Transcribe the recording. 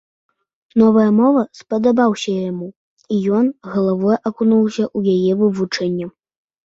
Новая мова спадабаўся яму, і ён з галавой акунуўся ў яе вывучэнне.